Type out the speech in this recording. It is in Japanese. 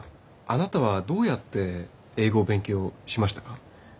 あなたはどうやって英語を勉強しましたか？